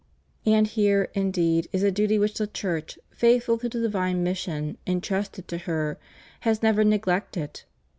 And here, indeed, is a duty which the Church, faithful to the divine mission entrusted to her, has never neglected.